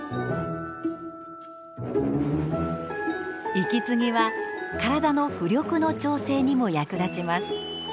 息継ぎは体の浮力の調整にも役立ちます。